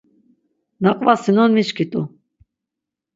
Na qvasinon miçkit̆u.